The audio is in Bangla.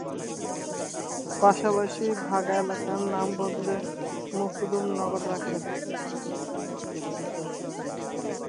পাশাপাশি বাঘা এলাকার নাম বদলে "মখদুম নগর" রাখেন।